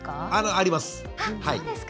あります。